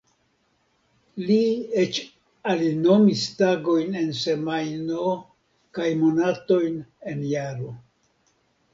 Li eĉ alinomis tagojn en semajno kaj monatojn en jaro.